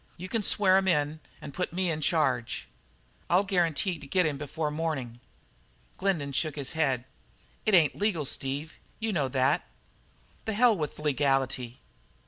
You can swear 'em in and put me in charge. I'll guarantee to get him before morning." Glendin shook his head. "It ain't legal, Steve. You know that." "The hell with legality."